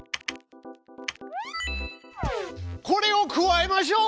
これを加えましょう。